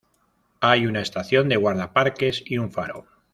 Hay una estación de guardaparques y un faro.